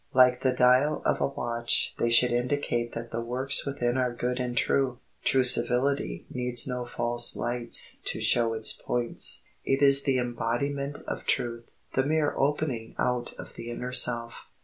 Like the dial of a watch they should indicate that the works within are good and true. True civility needs no false lights to show its points. It is the embodiment of truth, the mere opening out of the inner self.